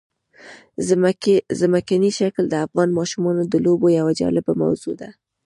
ځمکنی شکل د افغان ماشومانو د لوبو یوه جالبه موضوع ده.